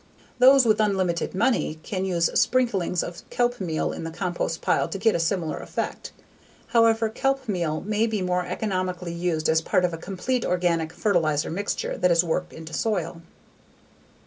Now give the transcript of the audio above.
Those with unlimited money may use sprinklings of kelp meal in the compost pile to get a similar effect. However, kelp meal may be more economically used as part of a complete organic fertilizer mixture that is worked into soil.